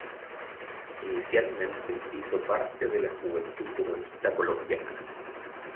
Inicialmente hizo parte de la Juventud Comunista Colombiana.